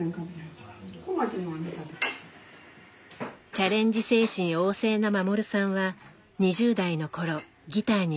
チャレンジ精神旺盛な護さんは２０代の頃ギターに夢中でした。